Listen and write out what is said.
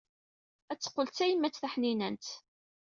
Ad teqqel d tayemmat taḥnint.